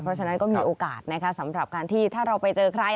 เพราะฉะนั้นก็มีโอกาสนะคะสำหรับการที่ถ้าเราไปเจอใคร